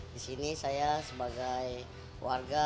di sini saya sebagai warga